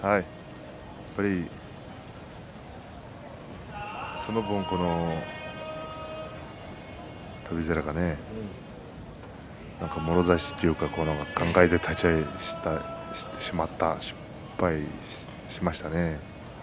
やっぱり、その分翔猿がもろ差しというか高い立ち合いをして失敗しましたね。